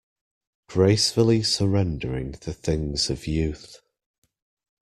Gracefully surrendering the things of youth.